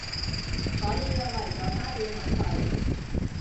所以我嚟咗花店搵佢